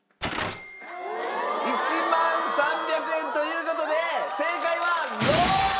１万３００円という事で正解はロー！